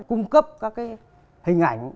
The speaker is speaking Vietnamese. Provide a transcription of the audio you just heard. cung cấp các cái hình ảnh